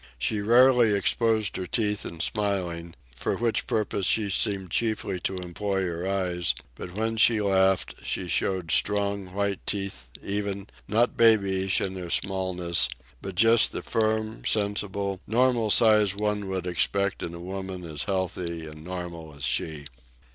She rarely exposed her teeth in smiling, for which purpose she seemed chiefly to employ her eyes; but when she laughed she showed strong white teeth, even, not babyish in their smallness, but just the firm, sensible, normal size one would expect in a woman as healthy and normal as she.